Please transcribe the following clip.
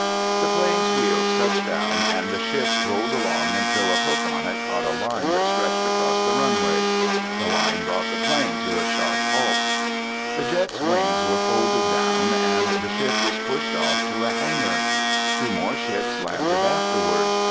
The plane's wheels touched down and the ship rolled along until a hook on it caught a line that stretched across the runway. The line brought the plane to a sharp halt. The jet's wings were folded down and the ship was pushed off to a hangar. Two more ships landed afterward.